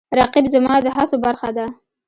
رقیب زما د هڅو برخه ده